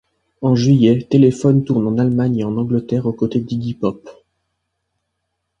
En juillet, Téléphone tourne en Allemagne et en Angleterre aux côtés d'Iggy Pop.